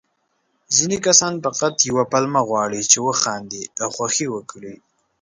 ځيني کسان فقط يوه پلمه غواړي، چې وخاندي او خوښي وکړي.